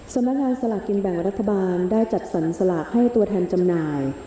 สำนักงานสลากกินแบ่งรัฐบาลได้จัดสรรสลากให้ตัวแทนจำหน่าย